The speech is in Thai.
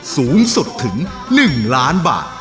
สูงสุดถึง๑ล้านบาท